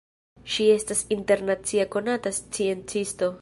Ŝi estas internacia konata sciencisto.